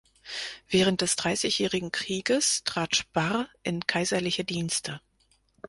Während des Dreißigjährigen Krieges trat Sparr in kaiserliche Dienste.